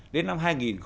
đến năm hai nghìn ba mươi